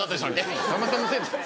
さんまさんのせいですよ。